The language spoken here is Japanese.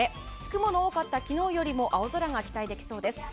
雲の多かった昨日よりも青空が期待できそうです。